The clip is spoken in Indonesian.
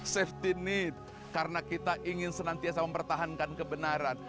safety need karena kita ingin senantiasa mempertahankan kebenaran